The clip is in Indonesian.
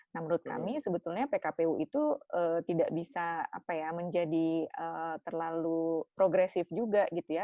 nah menurut kami sebetulnya pkpu itu tidak bisa menjadi terlalu progresif juga gitu ya